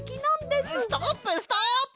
ストップストップ！